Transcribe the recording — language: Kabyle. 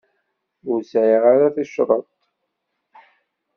Ur sɛiɣ ara ticreḍt.